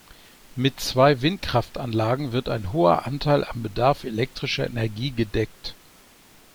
Mit zwei Windkraftanlagen wird ein hoher Anteil am Bedarf elektrischer Energie gedeckt.